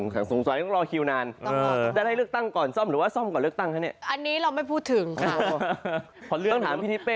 ตอนนี้เราไม่พูดถึงค่ะ